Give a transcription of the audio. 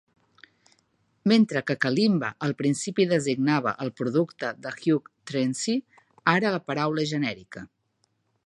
Mentre que kalimba al principi designava el producte de Hugh Tracey, ara la paraula és genèrica.